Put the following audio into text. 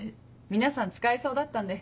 皆さん使えそうだったんで。